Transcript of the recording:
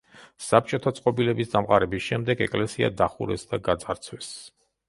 საბჭოთა წყობილების დამყარების შემდეგ ეკლესია დახურეს და გაძარცვეს.